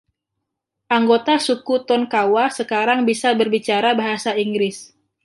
Anggota suku Tonkawa sekarang bisa berbicara bahasa Inggris.